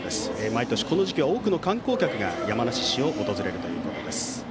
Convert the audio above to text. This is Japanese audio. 毎年この時期は多くの観光客が山梨市を訪れるということです。